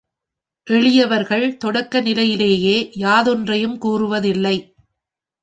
எளியவர்கள் தொடக்க நிலையிலேயே யாதொன்றையும் கூறுவதில்லை.